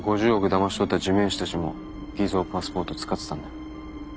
だまし取った地面師たちも偽造パスポートを使ってたんだよ。